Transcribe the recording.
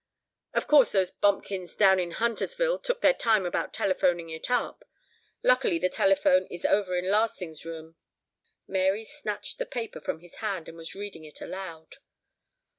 "Of course those bumpkins down in Huntersville took their time about telephoning it up. Luckily the telephone is over in Larsing's room " Mary had snatched the paper from his hand and was reading it aloud.